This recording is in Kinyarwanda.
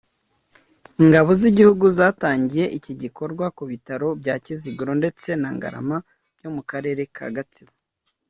Ingabo z’igihugu zatangiye iki gikorwa ku bitaro bya Kiziguro ndetse na Ngarama byo mu karere ka Gatsibo